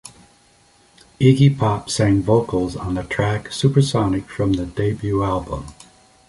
Iggy Pop sang vocals on the track "Supersonic" from the debut album.